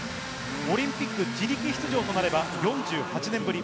オリンピック自力出場となれば４８年ぶり。